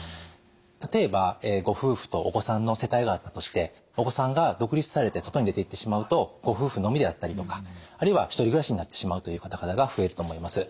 例えばご夫婦とお子さんの世帯があったとしてお子さんが独立されて外に出ていってしまうとご夫婦のみであったりとかあるいは１人暮らしになってしまうという方々が増えると思います。